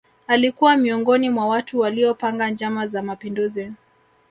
Alikuwa miongoni mwa watu waliopanga njama za mapinduzi